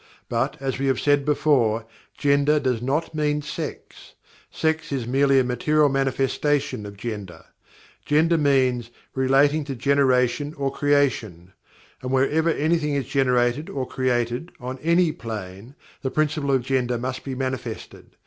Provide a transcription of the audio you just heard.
But, as we have said before, "Gender" does not mean "Sex" sex is merely a material manifestation of gender. "Gender" means "relating to generation or creation." And whenever anything is generated or created, on any plane, the Principle of Gender must be manifested.